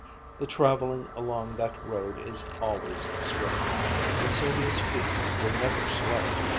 The traveling along that road is always swift; and Sylvia's feet were never slow.